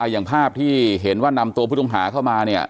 อย่างภาพที่เห็นว่านำตัวผู้ต้องหาเข้ามาเนี่ย